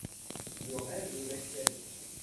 Le rêve d’Axel.